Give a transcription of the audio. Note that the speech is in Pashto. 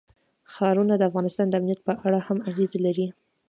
ښارونه د افغانستان د امنیت په اړه هم اغېز لري.